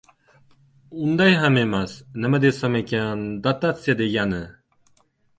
— Unday ham emas. Nima desam ekan, dotatsiya degani...